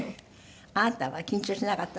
あなたは緊張しなかった？